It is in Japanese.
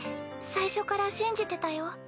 最初から信じてたよ。